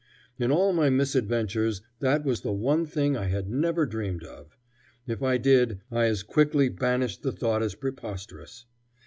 In all my misadventures that was the one thing I had never dreamed of. If I did, I as quickly banished the thought as preposterous.